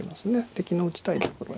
敵の打ちたいところへ。